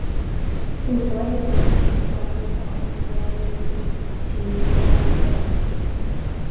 In the binding system, the complements act inversely to the verb of the sentence.